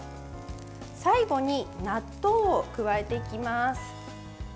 最後に、納豆を加えていきます。